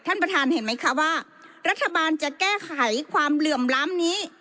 ท่านประธานเห็นไหมคะว่ารัฐบาลจะแก้ไขความเหลื่อมล้ำนี้